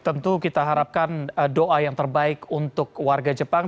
tentu kita harapkan doa yang terbaik untuk warga jepang